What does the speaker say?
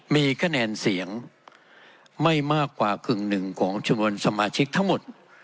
มีคะแนนเสียงไม่มากกว่ากึ่งหนึ่งของชนวนสมาชิกทั้งหมด